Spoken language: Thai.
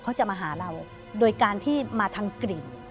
เขาจะมาหาเราโดยการที่มาทางกลิ่น